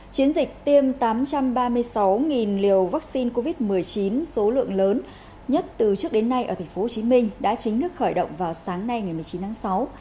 chiến dịch tiêm tám trăm ba mươi sáu liều vaccine covid một mươi chín số lượng lớn nhất từ trước đến nay ở tp hcm đã chính thức khởi động vào sáng nay ngày một mươi chín tháng sáu